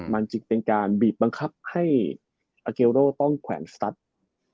มันจึงเป็นการบีบบังคับให้อาเกโร่ต้องแขวนสตัส